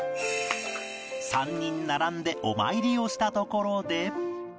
３人並んでお参りをしたところで